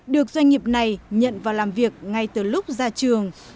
được doanh nghiệp này nhận vào làm việc ngay từ lúc ra trường